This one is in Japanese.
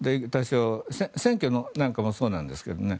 選挙なんかもそうなんですけどね